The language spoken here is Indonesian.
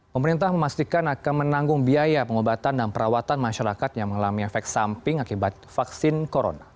pemerintah memastikan akan menanggung biaya pengobatan dan perawatan masyarakat yang mengalami efek samping akibat vaksin corona